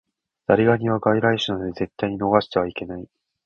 ザリガニは外来種なので絶対に逃してはいけない